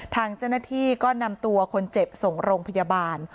ทางเจ้าหน้าที่ก็นำตัวคนเจ็บส่งโรงพยาบาล